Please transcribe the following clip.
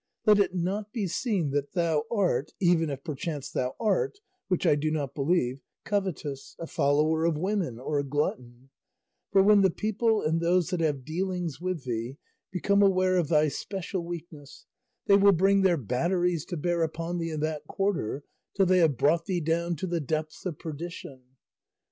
Let it not be seen that thou art (even if perchance thou art, which I do not believe) covetous, a follower of women, or a glutton; for when the people and those that have dealings with thee become aware of thy special weakness they will bring their batteries to bear upon thee in that quarter, till they have brought thee down to the depths of perdition.